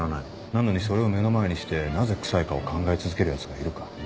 なのにそれを目の前にしてなぜ臭いかを考え続けるヤツがいるか？